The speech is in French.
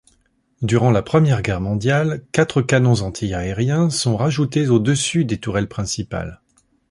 Durant la Première Guerre mondiale, quatre canons antiaériens sont rajoutés au-dessus des tourelles principales.